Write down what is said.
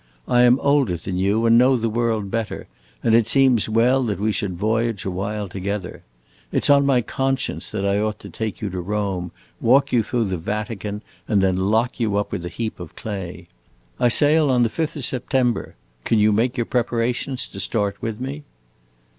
I am older than you and know the world better, and it seems well that we should voyage a while together. It 's on my conscience that I ought to take you to Rome, walk you through the Vatican, and then lock you up with a heap of clay. I sail on the fifth of September; can you make your preparations to start with me?"